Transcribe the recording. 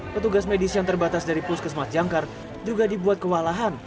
petugas medis yang terbatas dari puskesmas jangkar juga dibuat kewalahan